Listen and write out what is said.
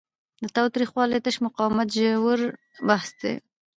له تاوتریخوالي تش مقاومت ژور بحث دی.